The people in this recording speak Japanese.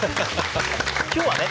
今日はね